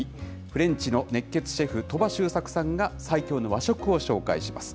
フレンチの熱血シェフ、鳥羽周作さんが最強の和食を紹介します。